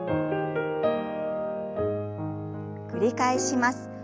繰り返します。